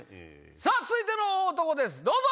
さぁ続いての大男ですどうぞ！